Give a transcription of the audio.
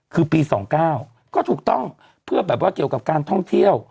คือปี๒๙ก็ถูกต้องเพื่อแบบว่าเกี่ยวกับการท่องเที่ยว